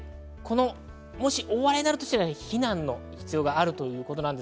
大荒れになるとしたら避難の必要があります。